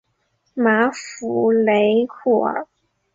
马夫雷库尔。